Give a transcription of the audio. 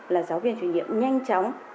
là giáo viên truyền nhiệm nhanh chóng